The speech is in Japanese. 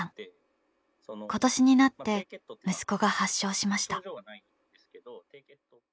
今年になって息子が発症しました。